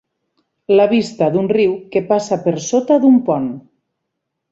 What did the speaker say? La vista d'un riu que passa per sota d'un pont.